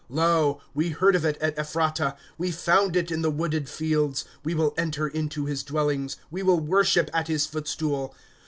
* Lo, we heard of it at Ephratah ; We found it in the wooded fields. ' We will enter in to his dwellings. We will worship at his footstool.